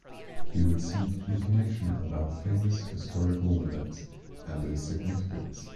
He would seek information about famous historical events and their significance.